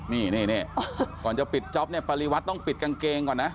นี่ก่อนจะปิดจ๊อปเนี่ยปริวัติต้องปิดกางเกงก่อนนะ